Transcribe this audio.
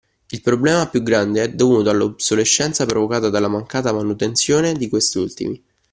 Il problema più grande è dovuto all’obsolescenza provocata dalla mancata manutenzione di quest’ultimi.